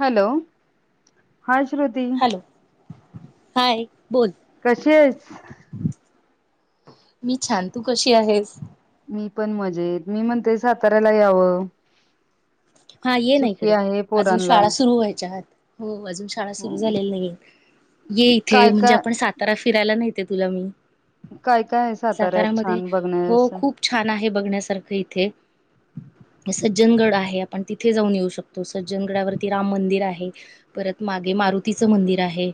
Hello हा Shruti hello hi बोल कशी आहेच? मी छान तू कशी आहेस? मी पण मजेत मी म्हणते साताऱ्याला यावं हा ये ना सुट्टी इकडे आहे अजून पोरांला शाळा सुरू व्हायच्या आ हो अजून शाळा सुरू हो. झालेल्या नाही ये इथे काय म्हणजे काय आपण सातारा फिरायला नाहीेते तुला मी काय काय साताऱ्यात सातारामध्ये छान हो बघण्यासं खूप छान आहे बघण्यासारखं इथे सज्जनगड आहे आपण तिथे जाऊन येऊ शकतो सज्जनगडावरती राम मंदिर आहे परत मागे मारुतीचं मंदिर आहे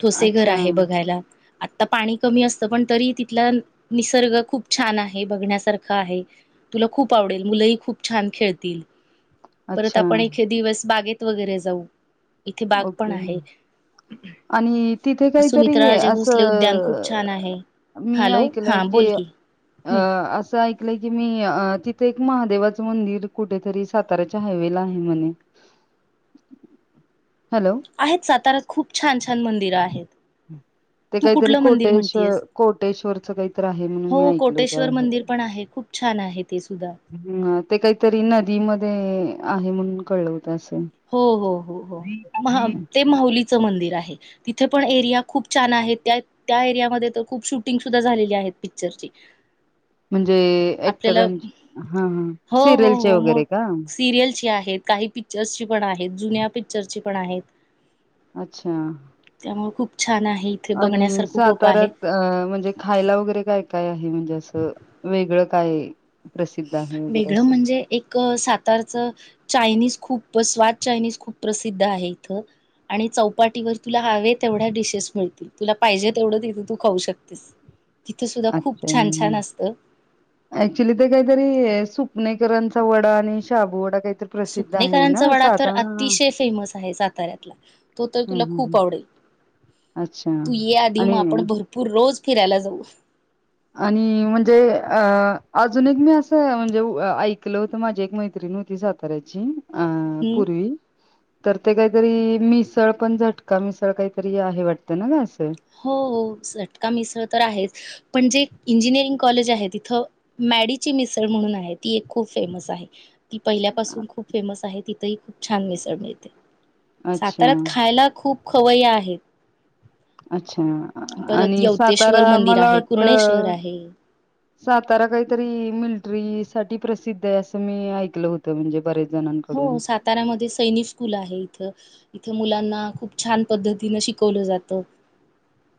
ठोसेघर अच्छा आहे बघायला आत्ता पाणी कमी असत पण तरी तिथला निसर्ग खूप छान आहे बघण्यासारखा आहे तुला खूप आवडेल मुलंही खूप छान खेळतील परत अच्छा आपण एके दिवस बागेत वगैरे जाऊ इथे बाग पण ओके आहे आणि तिथे काहीतरी सुमित्राराजे भोसले उद्यान खूप छान आहे असं मी हॅलो ऐकलय हा की बोल अ हम्म असं ऐक की मी तिथे एक महादेवाच मंदिर कुठेतरी साताऱ्याच्या हायवे ला आहे म्हणे हॅलो आहेत सातारऱ्यात खूप छान- छान मंदिरं आहेत. हम् ते तू काहीतरी कुठलं मंदिर कोटेश् म्हणतीयस कोटेश्वरच काहीत आहे म्हणून मी हो ऐकल कोटेश्वर मंदिर पण आहे. खूप छान आहे ते सुद्धा हम् ते काहीतरी नदीमध्ये आहे म्हणून कळवत असं हो हो हो हो म ते माहुलीचं मंदिर आहे तिथे पण एरिया खूप छान आहे त्या त्या एरियामध्ये तर खूप शूटिंग सुद्धा झालेली आहेत पिक्चरची म्हणजे आपल्याला ऍक्टरां हा हा सिरियलचे वगैरे का सिरियल ची आहेत काही पिक्चर्सची पण आहेत जुन्या पिक्चरची पण आहेत अच्छा त्यामु खूप छान आहे इथे आणि बघण्यासारखं खूप आहे. साताऱ्यात अ म्हणजे खायला वगैरे काय काय आहे म्हणजे असं वेगळं काय प्रसिद्ध आहे वगैरे वेगळं असं म्हणजे एक सातारचं चायनीज खूप स्वाद चायनीज खूप प्रसिद्ध आहे इथं आणि चौपाटीवर तुला हवे तेवढ्या डिशेस मिळतील तुला पाहिजे तेवढं तिथे तू खाऊ शक तिथं सुद्धा खूप छान छान असत अऍक्च्युली ते काहीतरी सुपनेकरांचा वडा आणि शाबू वडा काहीतरी प्रसिद्ध आहे सुपनेकरांचा ना वडा तर सातारा अतिशय फेमस आहे साताऱ्यातला तो तर हं तुला हं खूप हं आवडेल अच्छा तू ये आधी मग आणि आपण भरपूर रोज फिरायला जाऊ आणि म्हणजे अ अजून एक मी असं म्हणजे ऐकलं होतं माझी एक मैत्रिणी होती कती जाताऱ्याची अ हम्म. पूर्वी तर ते काहीतरी मिसळ पण झटका मिसळ काहीतरी आहे वाटतं ना का असं हो सटका मिसळ तर आहेच पण जे इंजिनिअरिंग कॉलेज आहे तिथं मॅडीची मिसळ म्हणून आहे ती एक खूप फेमस आहे ती पहिल्यापासून खूप फेमस आहे तिथही खूप छान मिसळ मिळते अच्छा साताऱ्यात खायला खूप खवय्या आहेत अच्छा परत आणि सातारा यवतेश्वर मंदिर मला आहे वाटत कुरणेश्वर आहे सातारा काहीतरी मिलटरी साठी प्रसिद्ध आहे असं मी ऐकलं होतं म्हणजे बरेच हो जणांकडून साताार्यामध्ये सैनिक स्कूल आहे इथं इथे मुलांना खूप छान पद्धतीन शिकवलं जातं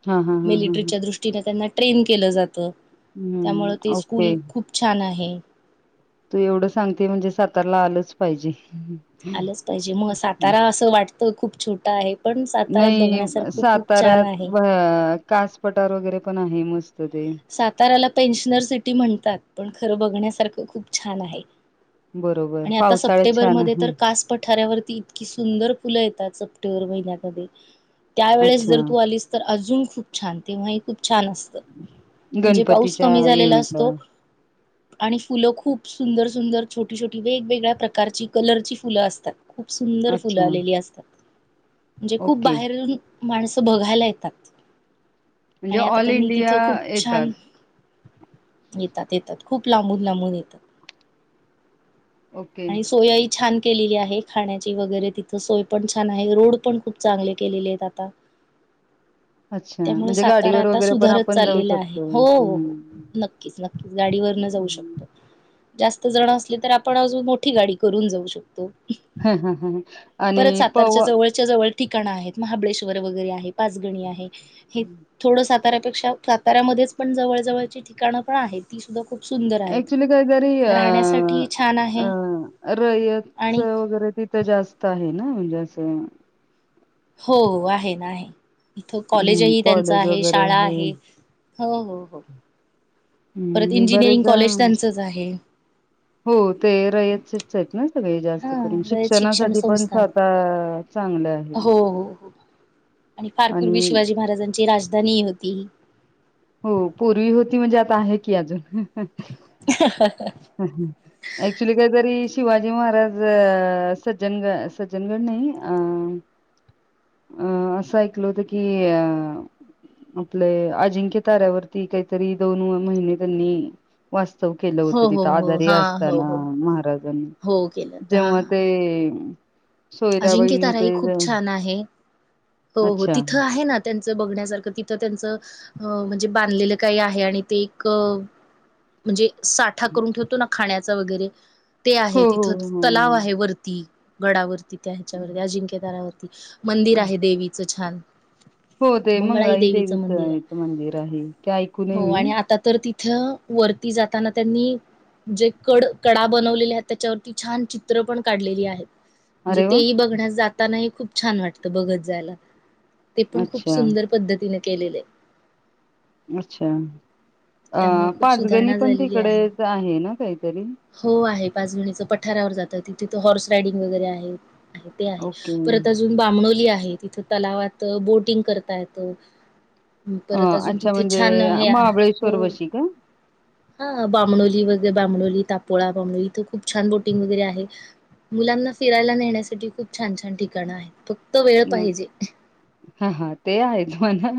हा हा हा हा ह मिलिटरीच्या दृष्टीने त्यांना ट्रेन केलं जातं हम्म त्यामु ते स्कूल ओके खूप छान आहे तू एवढं सांगते म्हणजे सातारला आलंच पाहिजे आलंच पाहिजे मग सातारा असं वाटतं खूप छोटा आहे पण सातार्यात बघण्यासारखं खूप छान तरत आहे. कास पटार वगैरे पण आहे मस्त ते साताराला पेन्शनर सिटी म्हणतात पण खरं बघण्यासारखं खूप छान आहे बरोबर आणि आता पावसाळ्यात छान सप्टेंबरमध्ये आहे तर कास पठाऱावरती इ ई तकी सुंदर फुलं येतात सप्टेंबर महिन्यामध्ये त्यावेेळेस अच्छा जर तू आलीस तर अजून खूप छान तेव्हाही खूप छान असत म्हणजे पाऊस गणपतीच्या कमी झालेला इव्हेंटला. असतो आणि फुलं खूप सुंदर सुंदर छोटी छोटी वेगवेगळ्या प्रकारची कलरची फुलं असतात खूप सुंदर फुलं अच्छा आलेली असतात म्हणजे खूप ओके बाहेरून माणसं बघायला येतात म्हणजे ऑल इंिया त खूप छान येतात येतात खूप लांबून लांबून येतात ओके. आणि सोया छान केलेली आहे खाण्याची वगैरे तिथं सोय पण छान आहे रोड पण खूप चांगले केलेले आहेत आता अच्छा म्हणजे गाडीवर वगैरे पण आप चाललेलं आहे हो हो हो नक्कीच नक्कीच गाडीवर न जाऊ शकतो जास्त जण असले तर आपण अजून मोठी गाडी करून जाऊ शकतो हम ह ह आणि पवा च्या जवळ ठिकाणं आहेत महाबळेश्वर वगैरे आहे पाचगणी आहे हे थोडं साताऱ्यापेक्षा साताऱ्यामध्येच पण जवळजवळची ठिकाणं पण आहेत ती सुद्धा खूप सुंदर आहेत. ऍक्चुली काय तरी अ राहण्यासाठी छान आहे अ रयत आणि वगैरे तिथं जास्त आहे ना म्हणजे असं हो आहे ना आहे इथ हम्म कॉलेजही त्यांच कॉलेज आहे वगैरे शाळा आहे हो हो हो परत हम्म इंजिनिअरिंग बरेच कॉलेज त्यांचंच आहे हो ते रायचेच आहेत ना सगळे जास्त हा करून रयत शिक्षण शिक्षणासाठी पण स् संस्थान आता चांगलं आहे हो हो हो आणि फार पूर्वी शिवाजी महाराजांची राजधानी होतीी हो पूर्वी होती म्हणजे आता आहे की अजून हम हम अक्च्युली काहीतरी शिवाजी महाराज सज्जनग सज्जनगड नाही अ अं असं ऐकलं होतं की अ आपले अजिंक्य ताऱ्यावरती काहीतरी दोन महिने त्यांनी वास्तव केलं हो होतं हो त हो आधारी हा हो असताना हो महाराजांनी हो केलं तर हा जेव्हा ते अजिंक्य सोयराबाईनी ताराई ते खूप छान आहे. हो हो अच्छा तिथं आहे ना त्यांचं बघण्यासारखं तिथं त्यांचं अ म्हणजे बांधलेलं काही आहे आणि ते एक म्हणजे साठा करून ठेवतो ना खाण्याचा वगैरे ते हो आहे हो तिथं हो हो तलाव आहे वरती गडावरती त्या ह्याच्यावर हो. अजिंक्यदारावरती मंदिर आहे देवीचं छान हो ते मंगळाई देवीचं मंदिर आहे देवीचच मंदिर आहे ते ऐकू नये हो मी आणि आता तर त तथ्य वरती जाताना त्यांनी जे कड कडा बनवलेले आहेत त्याच्यावरती छान चित्र पण काढलेली आहेत म्हणजे अरे वा तेही बघण्यास जातानाही खूप छान वाटतं बघत जायला ते पण खूप अच्छा सुंदर पद्धतीने केलेले अच्छा अ त्यामुळे खूप पाचगणी सुधारणा पण झालेली आहे तिकडेच आहे ना काहीतरी हो आहे पाचगणीच पठारावर जातं तिथे तर हॉर्स रायडिंग वगैरे आहे आहे ते आहे ओके परत अजून बामणोली आहे तिथं तलावात बोटिंग करता येत अ अच्छा म्हणजे हे आ हो महाबळेश्वर वशी का हा बामणोली वगैरे बा, तापोळा, बामणोली इथे खूप छान बोटिंग वगैरे आहे मुलांना फिरायला नेण्यासाठी खूप छान छान ठिकाणं आहेत फक्त वेळ पाहिजे हा हा. ते आहेच म्हणा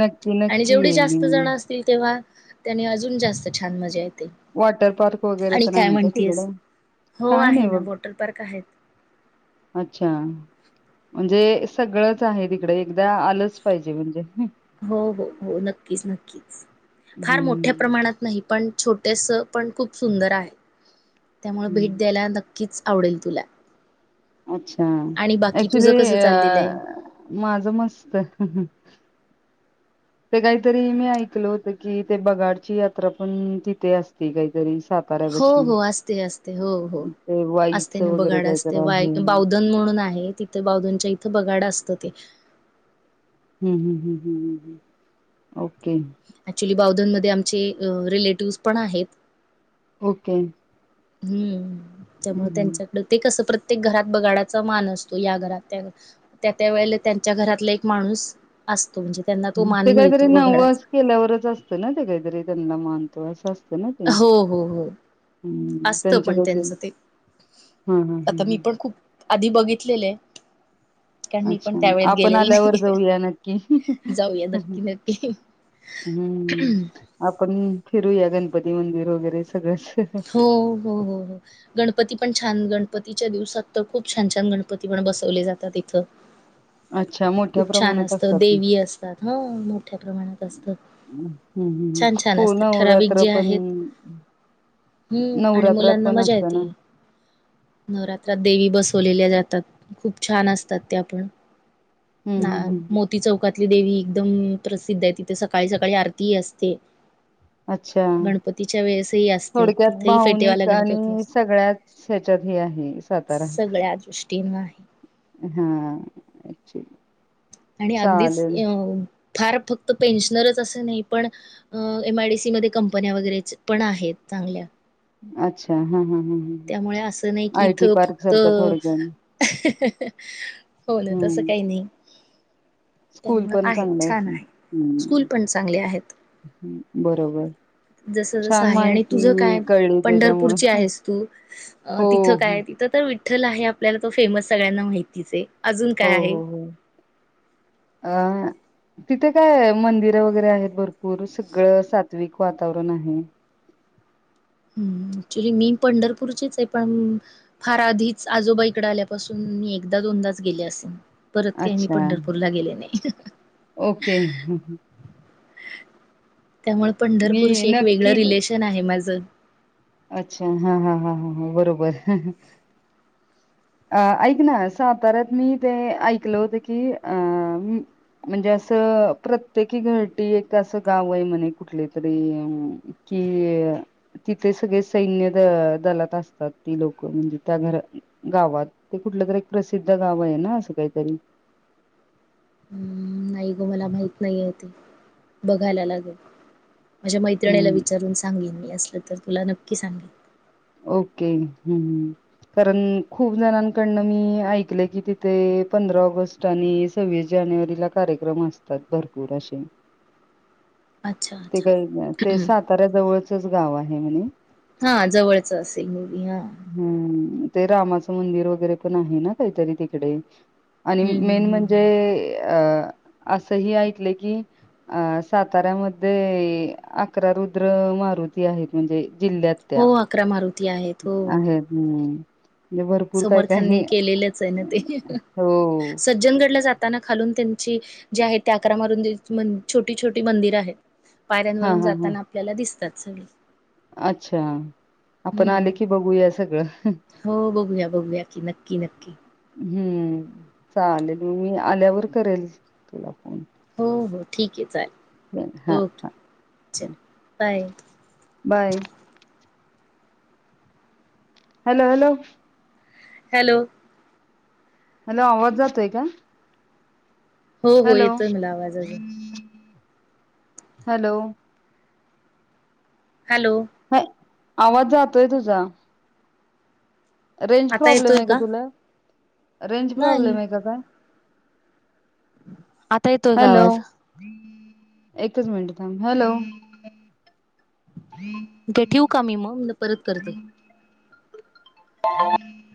नक्की आणि नक्की जेवढी येईल मी जास्त [unintelligible] तेव्हा त्याने अजून जास्त छान मजा येते वॉटर पार्क वगैरे आणि पण काय आहे का म्हणतीयस? तिकडं? हो काय आहे नाही ना बघ वॉटर पार्क आहेत अच्छा म्हणजे सगळंच आहे तिकडे एकदा आलंच पाहिजे म्हणजे हो हो हो नक्कीच नक्कीच फार मोठ्या हम्म प्रमाणात नाही पण छोटेस पण खूप सुंदर आहे, त्यामुळं भेट हम्म द्यायला नक्कीच आवडेल तुला अच्छा आणि बाकी ऍक्चुली तुझं कसं अ चाललेलं आहे? माझ मस्त ते काहीतरी मी ऐकल होत की ते बगाडची यात्रा पण तिथे असती काहीतरी सात हो हो असते असते हो हो ते असते वाईचं ना वगैरे बघाड काहीतरी असते आहे बा हम्म बावधन म्हणून आहे ति ते बावधन च्या इथं बघाडा असतं ते हम्म हम्म हम्म हम्म ओके. ॲक्च्युली बावधनमध्ये आमचे रिलेटिव्हज पण आहेत. ओके. हम्म त्यामुळे हम्म, त्यांच्या ते कसं प्रत्येक घरात बघाडाचा मान असतो या घरात त्या त्या त्या वेळेला त्यांच्या घरातला एक माणूस असतो म्हणजे त्यांना तो हम्म. ते मान काहीतरी मिळतो वघडचा नवस केल्यावरच असतं ना ते काहीतरी त्यांना मान तो असं असत असतो ना ते हो हो हो हम्म असतं पण त्यांच्याकडे ते त्यांचं हा हा हा आता मी हा. पण खूप आधी बघितलेले कारण मी पण अच्छा त्यावेळेत आपण गेलेले आल्यावर नाहीये जाऊया नक्की जाऊया नक्की नक्की हम्म, आपण फिरूया गणपती मंदिर वगैरे सगळंच हो हो हो हो. गणपती पण छान गणपतीच्या दिवसात तर खूप छान छान गणपती पण बसवले जातात इथं ह खूप छान असत देवी असतात हो, मोठ्या प्रमाणात असत हम्म हम्म हम्म हो नवरात्र जे पण आहेत हम्म आणि नवरात्रात मुलांना पण मजा असतं ना येते नवरात्रात देवी बसवलेल्या जातात खूप छान असतात त्या पण हम्म हम्म नाय हम्म मो ती चौकातली देवी एकदम प्रसिद्ध आहे तिथे सकाळी सकाळी आरतीही असते. अच्छा गणपतीच्या वेळेसही असत थोडक्यात भावनिक आणि सगळ्याच ह्याच्यात हे आहे सातारा सगळ्या दृष्टीनं आहे हा एकच्युली आणि अगदीच अ फार फक्त पेन्शनरच असं नाही पण अ एम आय डी सी मध्ये कंपन्या वगैरे पण आहेत चांगल्या अच्छा हा हा हा हा त्यामुळे असं नाही की आय टी इथं पार्क फक्त सारखं थोडक्यात हो ना, तसं हम्म काही नाही स्कूल त्यामुळ पण आहे चांगलं असत छान आहे. हम्म स्कूल पण चांगल्या आहेत. हम्म. बरोबर जस जसं छान आहे आणि तुझं काय माहिती कळली पंढरपूरची त्याच्यामुळे आहेस तू अह हो, तिथं हो, काय तिथं तर विठ्ठल आहे आपल्याला तो फेमस सगळ्यांना माहितीच आहे. अजून हो काय आहे? हो हो अ तिथे काय मंदिरं वगैरे आहेत भरपूर सगळं सात्विक वातावरण आहे ह् क्च्युली मी पंढरपूरचीच आहे पण फार आधीच आजोबाईकडे आल्यापासून मी एकदा दोनदाच गेले असेन परत काही मी अच्छा पंढरपूरला गेले नाही ओके त्यामुळे मी पंढरपूरशी एक वेगळं नक्की रिलेशन आहे माझं अच्छा हा हा हा ह बरोबर अ ऐक ना साताऱ्यात मी ते ऐकलं होतं की अ म्हणजे असं प्रत्येकी घर एक असं गाव आहे म्हणे कुठली तरी कि तिथे सगळे सैन्य द दलात असतात ती लोकं म्हणजे त्या घरात गावात ते कुठलं तर एक प्रसिद्ध गाव आहे ना असं काहीतरी ग मला मा नाही बघायला लागेल माझ्या मैत्रिणीला हं. विचारून सां सांगेन मी असलं तर तुला नक्की सांगेन ओके हम्म ह् कारण खूप जणांकडनं मी ऐकलं की तिथे पंधरा ऑगस्ट आणि सव्वीस जानेवारीला कार्यक्रम असतात भरपूर असे अच्छा ते अच्छा काही ते साताऱ्या जवळचच गाव आहे म्हणे हा जवळच असेल मूवी हा ह् ते रामाचं मंदिर वगैरे पण आहे ना काहीतरी तिकडे आणि हम्म हम्म मेन म्हणजे हम्म. े अ अस ह ऐकले की अ साताऱ्यामध्ये अकरा रुद्र मारुती आहेत म्हणजे जिल्ह्यात त्या हो अकरा मारुती आहेत हो आहेत हम्म म्हणजे भरपूर काय काय समर्थांनी हे केलेलंच आहे ना ते हो सज्जनगडला जात ताना खालून त्यांची जे आहे ते अकरा मारून छोटी छोटी मंदिर आहेत हा पायऱ्यांवरून हा हा जाताना आपल्याला दिसतात सगळे अच्छा आपण आले की बघूया सगळं हो बघूया बघूया की नक्की नक्की हम्म चालेल मी आल्यावर करेल तुला फोन हो हो ठीक आहे चालेल हा ओके चल हा bye bye hello hello hello मला आवाज जातोय का हो हो हॅलो येतोय मला आवाज अजून हॅलो हॅलो ह आवाज जातोय तुझा रेंज आता प्रॉब्लेम येतोय आहे का तुला रेंज प्रॉब्लेम नाही आहे का काय आता येतोय का हॅलो आवाज एकच मिनिट हॅलो णे ठेऊ का मी मग परत करते [unintelligible]